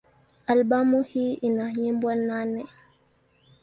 Albamu hii ina nyimbo nane.